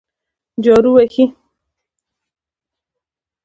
جارو وهي.